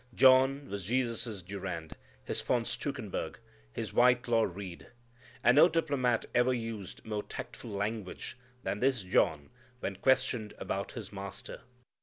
John was Jesus' Durand, His von Stuckenburg, His Whitelaw Reid. And no diplomat ever used more tactful language than this John when questioned about his Master.